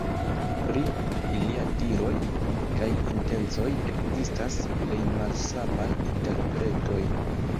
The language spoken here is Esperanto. Pri iliaj diroj kaj intencoj ekzistas plej malsamaj interpretoj.